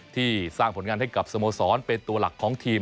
ที่สร้างผลงานให้กับสโมสรเป็นตัวหลักของทีม